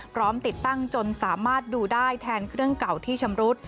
พร้อมติดตั้งจนสามารถดูได้แทนเครื่องเก่าที่ชำรุด